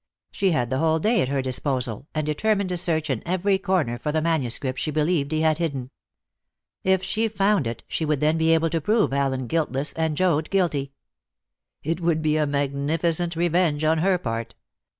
She had the whole day at her disposal, and determined to search in every corner for the manuscript she believed he had hidden. If she found it, she would then be able to prove Allen guiltless and Joad guilty. It would be a magnificent revenge on her part.